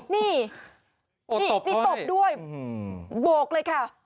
นี่นี่ตบด้วยโบกเลยค่ะ